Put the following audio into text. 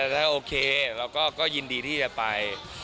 ถ้าโอเคเราก็ยินดีที่จะไป